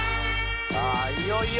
さぁいよいよ